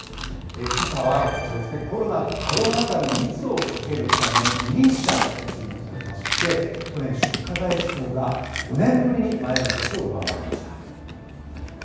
けさはこちらですね、コロナ禍の密を避けるため、二輪車が注目されまして、去年、出荷台数が５年ぶりに前の年を上回りました。